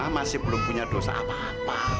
masih belum punya dosa apa apa